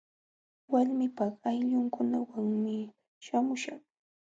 Walmiipaq ayllunkunawanmi śhamuśhaq.